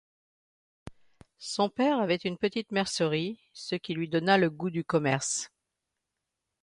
Son père avait une petite mercerie ce qui lui donna le goût du commerce.